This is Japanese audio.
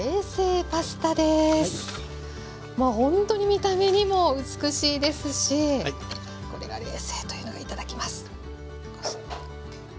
ほんとに見た目にも美しいですしこれが冷製というのがいただきます。